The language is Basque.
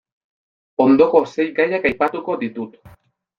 Ondoko sei gaiak aipatuko ditut.